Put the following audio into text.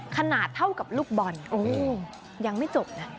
ขนาดเท่ากับลูกบอลโอ้ยังไม่จบนะ